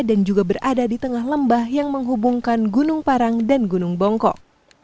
dan juga berada di tengah lembah yang menghubungkan gunung parang dan gunung bongkok